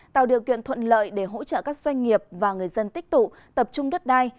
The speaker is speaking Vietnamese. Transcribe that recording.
tạo điều kiện thuận lợi để hỗ trợ các doanh nghiệp và người dân tích tụ tập trung đất đai